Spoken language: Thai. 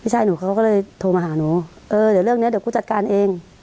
หนูเขาก็เลยโทรมาหาหนูเออเดี๋ยวเรื่องเนี้ยเดี๋ยวกูจัดการเอง